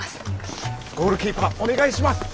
ゴールキーパーお願いします！